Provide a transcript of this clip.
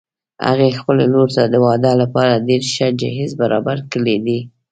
هغې خپلې لور ته د واده لپاره ډېر ښه جهیز برابر کړي دي